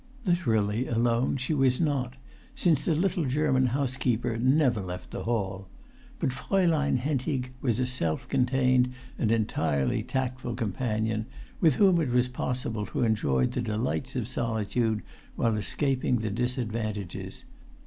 Literally alone she was not, since the little German housekeeper never left the hall. But Fraulein Hentig was a self contained and entirely tactful companion, with whom it was possible to enjoy the delights of solitude while escaping the disadvantages.